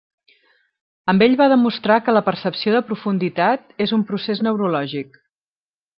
Amb ell va demostrar que la percepció de profunditat és un procés neurològic.